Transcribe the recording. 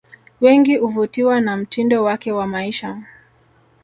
Wengi uvutiwa na mtindo wake wa maisha